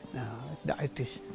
nah tidak etis